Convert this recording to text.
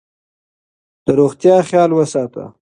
د روغتیا خیال وساته.